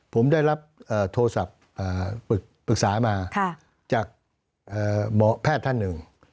ผมได้รับโทรศัพท์ปรึกษามาจากหมอแพทย์ท่านหนึ่ง